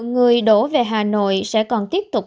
người đổ về hà nội sẽ còn tiếp tục